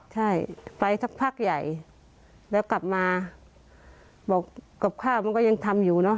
ใช่ไปสักพักใหญ่แล้วกลับมาบอกกับข้าวมันก็ยังทำอยู่เนอะ